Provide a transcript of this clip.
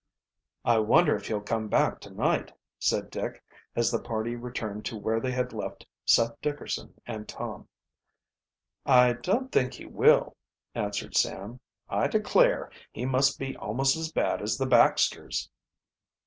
"I wonder if he'll come back tonight?" said Dick, as the party returned to where they had left Seth Dickerson and Tom. "I don't think he will," answered Sam. "I declare, he must be almost as bad as the Baxters!"